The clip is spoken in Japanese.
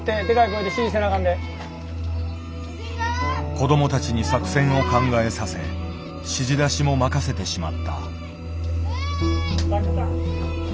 子どもたちに作戦を考えさせ指示出しも任せてしまった。